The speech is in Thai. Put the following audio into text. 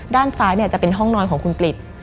ด้านซ้ายจะเป็นห้องนอนของคุณกริจ